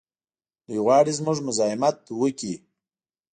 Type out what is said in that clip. دوی غواړي زموږ مزاحمت وکړي.